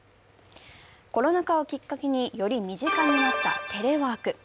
コロナ禍をきっかけにより身近になったテレワーク。